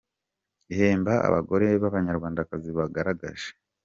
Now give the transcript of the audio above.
ihemba abagore b’Abanyarwandakazi bagaragaje.